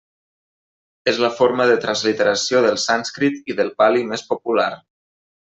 És la forma de transliteració del sànscrit i del pali més popular.